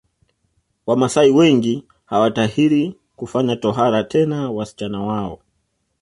Wamaasai wengi hawatahiri kufanya tohara tena wasichana wao